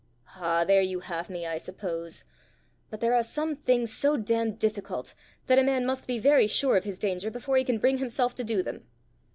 "Ah, there you have me, I suppose! But there are some things so damned difficult, that a man must be very sure of his danger before he can bring himself to do them!"